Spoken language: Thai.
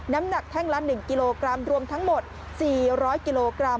น้ำหนักแท่งละ๑กิโลกรัมรวมทั้งหมด๔๐๐กิโลกรัม